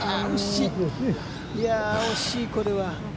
いやあ、惜しい、これは。